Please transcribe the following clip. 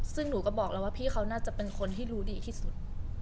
ซึ่งหนูก็บอกแล้วว่าพี่เขาน่าจะเป็นคนที่รู้ดีที่สุด